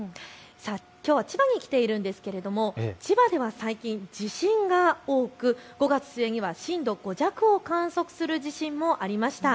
きょうは千葉に来ているんですが千葉では最近、地震が多く５月末には震度５弱を観測する地震もありました。